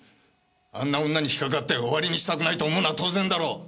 あんな女に引っかかって終わりにしたくないと思うのは当然だろ！